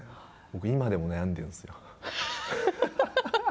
僕、今でも悩んでるんですよ。